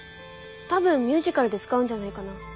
多分ミュージカルで使うんじゃないかな。